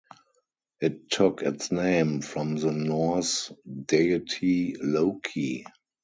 It took its name from the Norse deity Loki.